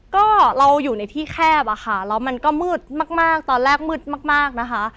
ก็เราอยู่ในที่แคบอะค่ะแล้วมันก็มืดมากตอนแรกมืดมากนะคะ